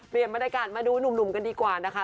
บรรยากาศมาดูหนุ่มกันดีกว่านะคะ